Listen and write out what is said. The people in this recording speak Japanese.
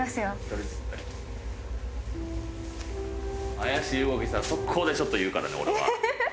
怪しい動きしたら即行でちょっと言うからね俺は。